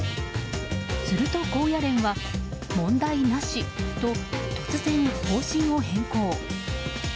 すると、高野連は問題なしと突然、方針を変更。